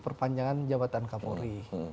perpanjangan jabatan kapolri